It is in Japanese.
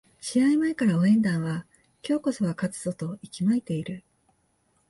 試合前から応援団は今日こそは勝つぞと息巻いている